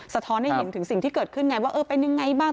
ท้อนให้เห็นถึงสิ่งที่เกิดขึ้นไงว่าเออเป็นยังไงบ้าง